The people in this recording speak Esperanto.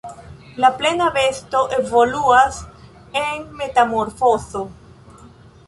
La plena besto evoluas en metamorfozo.